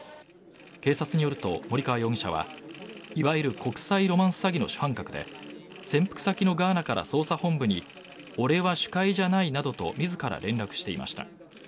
警察によると森川容疑者はいわゆる国際ロマンス詐欺の主犯格で潜伏先のガーナから捜査本部に俺は首魁じゃないなどと自ら連絡していました。